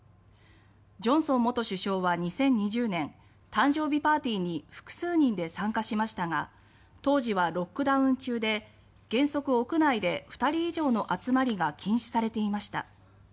ジョンソン元首相は２０２０年誕生日パーティーに複数人で参加しましたが当時はロックダウン中で原則屋内で２人以上の集まりが禁止されていました。